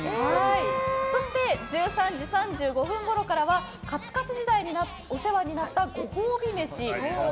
そして１３時３５分ごろからはカツカツ時代にお世話になったご褒美飯。